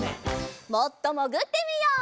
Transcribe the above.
もっともぐってみよう。